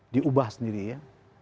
diubah sendiri ya